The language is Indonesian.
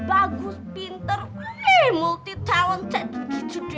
bagus pinter multi talented gitu deh